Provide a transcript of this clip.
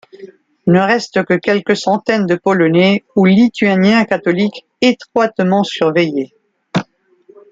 Ne restent que quelques centaines de Polonais ou Lituaniens catholiques étroitement surveillés.